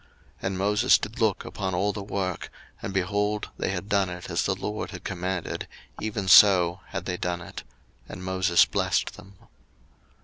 02:039:043 And Moses did look upon all the work, and, behold, they had done it as the LORD had commanded, even so had they done it: and Moses blessed them.